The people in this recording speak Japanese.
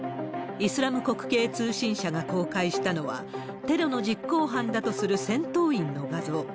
イスラム国系通信社が公開したのは、テロの実行犯だとする戦闘員の画像。